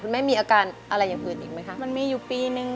แม่มีอาการอะไรอย่างอื่นอีกไหมคะมันมีอยู่ปีนึง